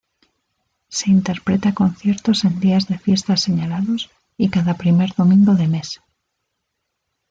Se interpreta conciertos en días de fiesta señalados y cada primer domingo de mes.